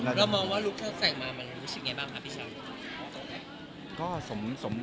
เรามองว่าลุคถ้าใส่มามันรู้สึกยังไงบ้างครับพี่เช้า